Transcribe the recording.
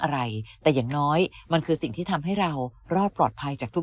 อะไรแต่อย่างน้อยมันคือสิ่งที่ทำให้เรารอดปลอดภัยจากทุก